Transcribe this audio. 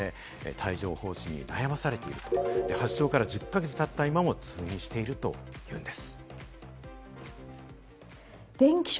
帯状疱疹に悩まされていて、発症から１０か月経った今も通院しているというんです。